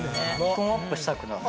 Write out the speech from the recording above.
トーンアップしたくなる。